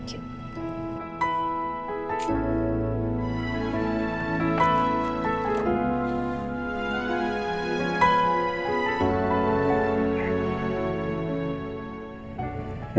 masih aku singgah bayar